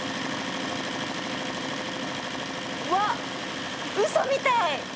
うわうそみたい！